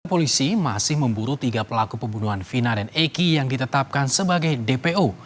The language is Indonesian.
polisi masih memburu tiga pelaku pembunuhan vina dan eki yang ditetapkan sebagai dpo